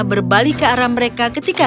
berbalik ke arah mereka ketika